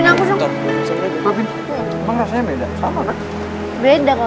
emang rasanya beda